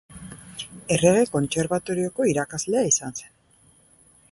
Errege Kontserbatorioko irakaslea izan zen.